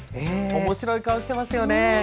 おもしろい顔してますよね。